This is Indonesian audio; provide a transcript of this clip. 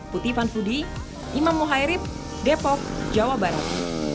puti panfudi imam mohairib depok jawa barat